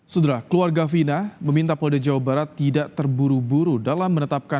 sudara keluarga vina meminta polde jawa barat tidak terburu buru dalam menetapkan pegi setiawan